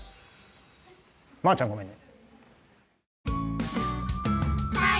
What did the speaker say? まーちゃんごめんね。